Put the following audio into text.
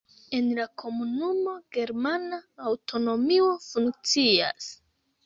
En la komunumo germana aŭtonomio funkcias.